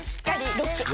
ロック！